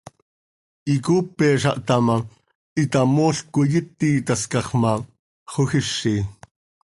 Icoopeza htá ma, hitamoolc coi iti tascax ma, xojizi.